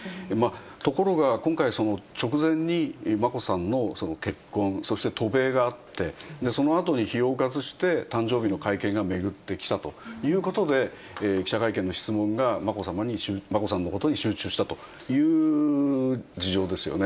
ところが、今回、直前に眞子さんの結婚、そして渡米があって、そのあとに日を置かずして、誕生日の会見が巡ってきたということで、記者会見の質問が眞子さんのことに集中したという事情ですよね。